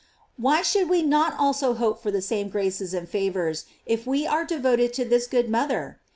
273 Why should we not also hope for the same graces and favors, if we are devoted to this good mother?